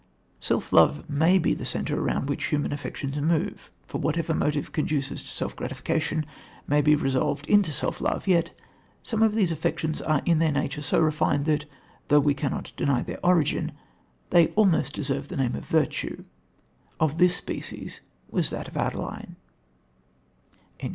Self love may be the centre around which human affections move, for whatever motive conduces to self gratification may be resolved into self love, yet, some of these affections are in their nature so refined that, though we cannot deny their origin, they almost deserve the name of virtue: of this species was that of Adeline."